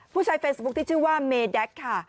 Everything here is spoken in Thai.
ผู้ชายเฟซบุ๊กที่ชื่อว่าเมดัคค่ะ